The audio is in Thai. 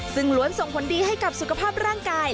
ซึ่งล้วนส่งผลดีให้กับสุขภาพร่างกาย